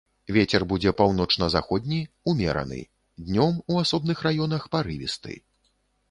Вецер будзе паўночна-заходні, умераны, днём у асобных раёнах парывісты.